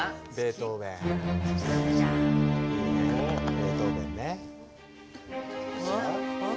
ベートーベンね。